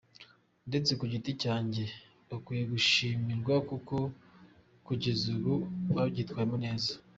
Ndetse ku giti cyanjye, bakwiye gushimirwa kuko kugeza ubu babyitwayemo neza.